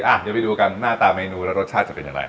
เดี๋ยวไปดูกันหน้าตาเมนูแล้วรสชาติจะเป็นอย่างไร